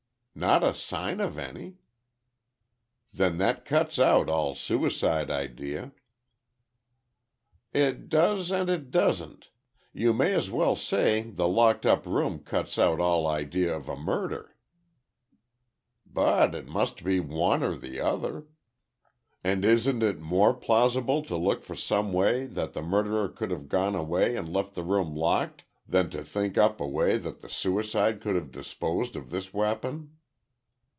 "Not a sign of any—" "Then that cuts out all suicide idea." "It does and it doesn't. You may as well say the locked up room cuts out all idea of a murder." "But it must be one or the other. And isn't it more plausible to look for some way that the murderer could have gone away and left the room locked, than to think up a way that the suicide could have disposed of this weapon?"